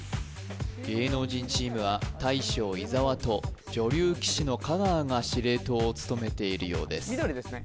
芸能人チームは大将伊沢と女流棋士の香川が司令塔を務めているようです緑ですね